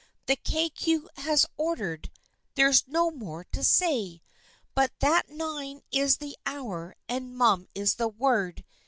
The Kay Cue has ordered ! There's no more to say. But that nine is the hour and ' mum ' is the word.